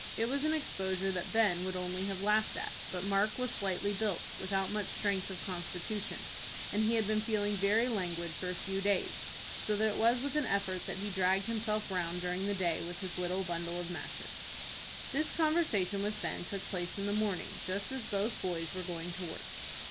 It was an exposure that Ben would only have laughed at, but Mark was slightly built, without much strength of constitution, and he had been feeling very languid for a few days, so that it was with an effort that he dragged himself round during the day with his little bundle of matches. This conversation with Ben took place in the morning just as both boys were going to work.